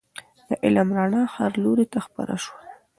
د علم رڼا هر لوري ته خپره سوه.